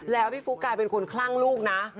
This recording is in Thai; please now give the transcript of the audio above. แล้วพี่ฟุ๊กกลายเป็นคนคลั่งลูกนะ